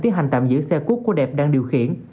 tiến hành tạm giữ xe cuốc của đẹp đang điều khiển